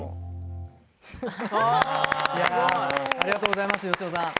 ありがとうございます芳雄さん。